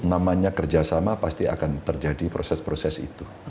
namanya kerjasama pasti akan terjadi proses proses itu